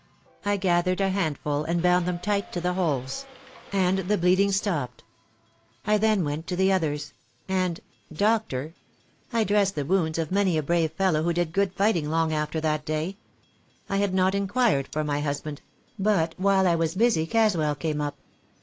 I gathered a handful and bound them tight to the holes; and the bleeding stopped. I then went to the others; and Doctor! I dressed the wounds of many a brave fellow who did good fighting long after that day! I had not inquired for my husband; but while I was busy Caswell came up.